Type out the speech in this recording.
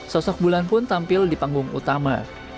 sosok bulan pun tampil di panggung utama